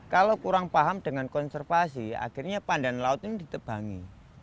kalau kurang paham dengan konservasi akhirnya pandan laut ini ditebangi